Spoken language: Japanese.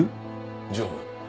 常務。